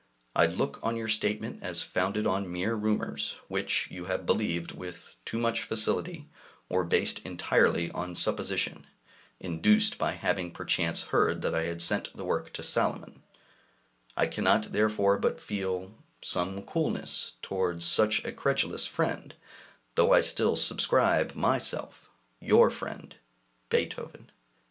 I look on your statement as founded on mere rumors, which you have believed with too much facility, or based entirely on supposition, induced by having perchance heard that I had sent the work to Salomon; I cannot, therefore, but feel some coolness towards such a credulous friend, though I still subscribe myself Your friend, BEETHOVEN.